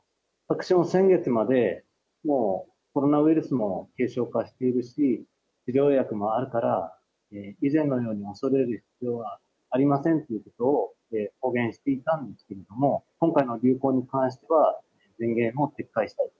私も先月まで、もうコロナウイルスも軽症化しているし、治療薬もあるから、以前のように恐れる必要はありませんということを公言していたんですけれども、今回の流行に関しては、前言を撤回したい。